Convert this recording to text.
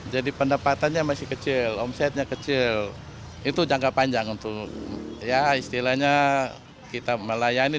jadi pendapatannya masih kecil omsetnya kecil itu jangka panjang untuk ya istilahnya kita melayani